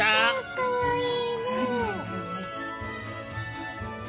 かわいいね。